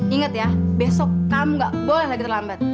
ingat ya besok kamu gak boleh lagi terlambat